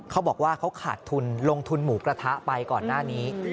เขาบอกว่าเขาขาดทุนลงทุนหมูกระทะไปก่อนหน้านี้